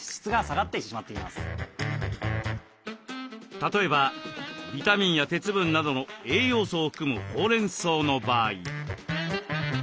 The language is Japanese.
例えばビタミンや鉄分などの栄養素を含むほうれんそうの場合。